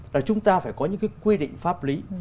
là chúng ta phải có những cái quy định pháp lý